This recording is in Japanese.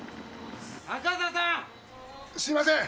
すいません！